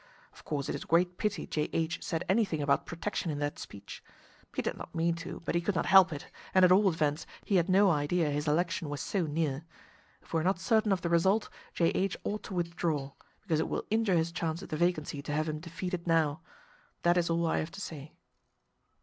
Of course it is a great pity J.H. said anything about protection in that speech. He did not mean to, but he could not help it, and at all events he had no idea his election was so near. If we are not certain of the result, J.H. ought to withdraw, because it will injure his chance at the vacancy to have him defeated now. That is all I have to say."